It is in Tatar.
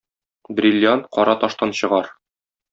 Бриллиант кара таштан чыгар.